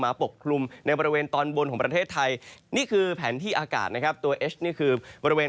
ข้าบที่เผาบุหรณ์อาทิตย์จะเป็นประเทศอื่น